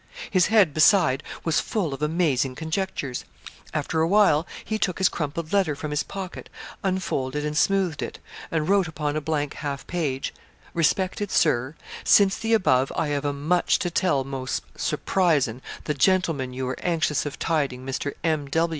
His head beside was full of amazing conjectures. After a while he took his crumpled letter from his pocket, unfolded and smoothed it, and wrote upon a blank half page 'RESPECTED SIR, Since the above i ave a much to tel mos surprisen, the gentleman you wer anceous of tiding mister M.